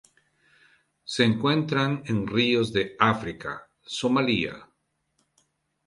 Se encuentran en ríos de África: Somalia.